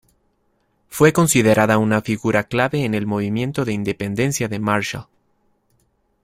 Fue considerada una figura clave en el movimiento de independencia de Marshall.